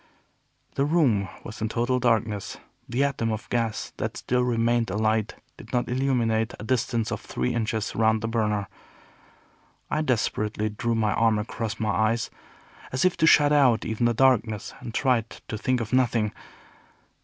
The room was in total darkness. The atom of gas that still remained alight did not illuminate a distance of three inches round the burner. I desperately drew my arm across my eyes, as if to shut out even the darkness, and tried to think of nothing.